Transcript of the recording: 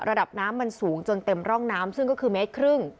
ระดับน้ำมันสูงจนเต็มร่องน้ำซึ่งก็คือเมตรครึ่ง